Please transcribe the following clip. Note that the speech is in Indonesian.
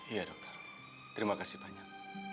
iya dokter terima kasih banyak